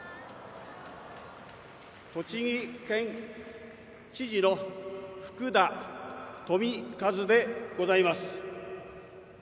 栃木県知事の福田富一でございます。